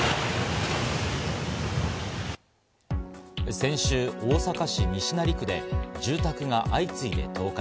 先週、大阪市西成区で住宅が相次いで倒壊。